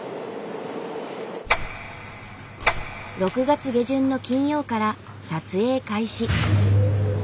６月下旬の金曜から撮影開始。